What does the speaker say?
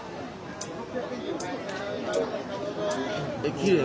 きれい！